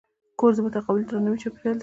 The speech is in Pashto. کورس د متقابل درناوي چاپېریال دی.